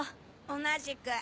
同じく。